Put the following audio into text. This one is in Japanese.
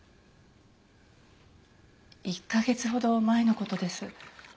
１カ月ほど前の事です。